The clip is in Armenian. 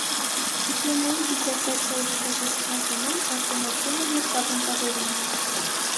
Դիպլոմային դիսերտացիայի հետազոտության թեման՝ արտոնագրումը և պատենտավորումն է։